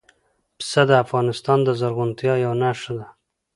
پسه د افغانستان د زرغونتیا یوه نښه ده.